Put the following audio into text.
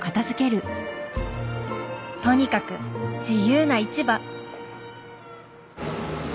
とにかく自由な市場。